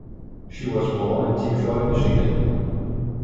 She was born in Detroit, Michigan.